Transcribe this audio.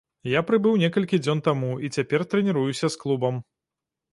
Я прыбыў некалькі дзён таму і цяпер трэніруюся з клубам.